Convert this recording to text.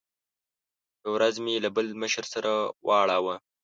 یوه ورځ مې له بل مشر سره واړاوه.